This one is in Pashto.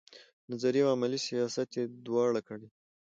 نظري او عملي سیاست یې دواړه کړي.